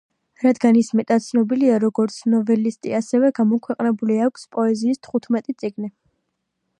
რადგან ის მეტად ცნობილია, როგორც ნოველისტი ასევე გამოქვეყნებული აქვს პოეზიის თხუთმეტი წიგნი.